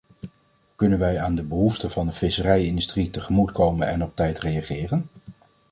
Kunnen wij aan de behoeften van de visserij-industrie tegemoetkomen en op tijd reageren?